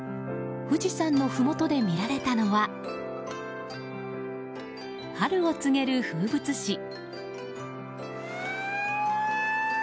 富士山のふもとで見られたのは春を告げる風物詩。